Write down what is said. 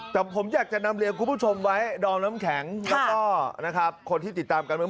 แต่ผมอยากจะนำเรียนคุณผู้ชมไว้ดรล้ำแข็งแล้วก็คนที่ติดตามกัน